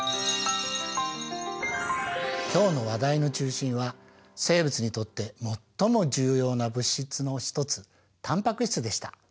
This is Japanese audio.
今日の話題の中心は生物にとって最も重要な物質の一つタンパク質でした。